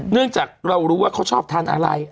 เนื่องจากเรารู้ว่าเขาชอบทานอะไร